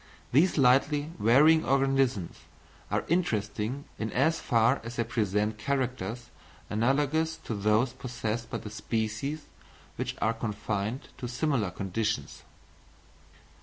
These slightly varying organisms are interesting in as far as they present characters analogous to those possessed by the species which are confined to similar conditions.